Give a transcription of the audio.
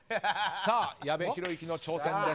さあ、矢部浩之の挑戦です。